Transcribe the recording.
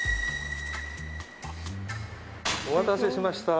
お待たせしました。